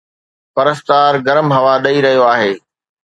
پرستار گرم هوا ڏئي رهيو آهي